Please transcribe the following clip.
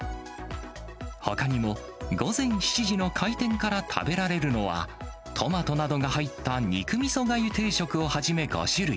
ほかにも午前７時の開店から食べられるのは、トマトなどが入った肉みそがゆ定食をはじめ５種類。